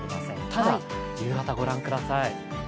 ただ、夕方ご覧ください。